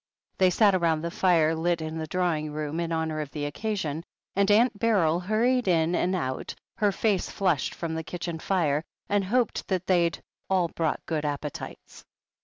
They sat round the fire lit in the drawing room in honour of the occasion, and Aunt Beryl hurried in and out, her face flushed from the kitchen fire, and hoped that they'd "all brought good appetites."